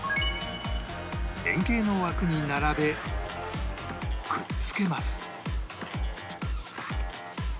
円形の枠に並べくっつけます